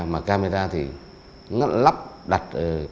mà camera thì ngăn lắp đặt ra thì không có camera